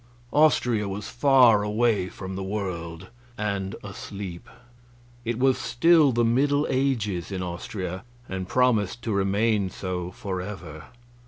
Austria was far away from the world, and asleep; it was still the Middle Ages in Austria, and promised to remain so forever.